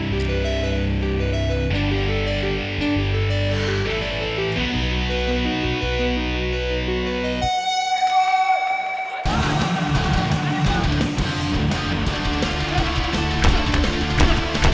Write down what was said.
kamu pasti bisa menang ngalahin dia